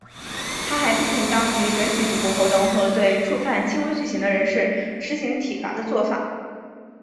他还批评当局准许赌博活动和对触犯轻微罪行的人士施行体罚的作法。